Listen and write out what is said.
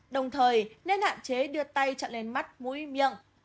đồng thời nên hạn chế đưa tay cho lên mắt mũi miệng